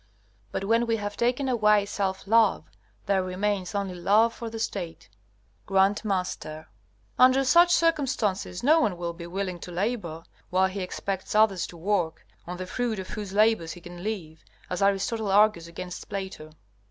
But when we have taken away self love, there remains only love for the State. G.M. Under such circumstances no one will be willing to labor, while he expects others to work, on the fruit of whose labors he can live, as Aristotle argues against Plato.